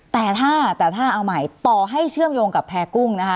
แต่ถ้าแต่ถ้าเอาใหม่ต่อให้เชื่อมโยงกับแพร่กุ้งนะคะ